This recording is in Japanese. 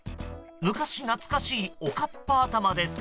昔懐かしいおかっぱ頭です。